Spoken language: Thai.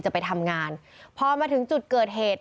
จะไปทำงานพอมาถึงจุดเกิดเหตุ